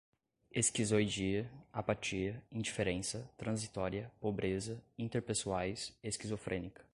esquizoidia, apatia, indiferença, transitória, pobreza, interpessoais, esquizofrênica